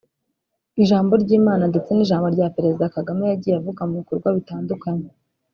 ijambo ry’Imana ndetse n’ijambo rya Perezida Kagame yagiye avuga mu bikorwa bitandukanye